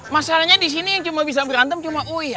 masalahnya disini yang cuma bisa berantem cuma uya